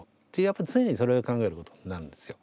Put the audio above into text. やっぱり常にそれを考えることになるんですよ。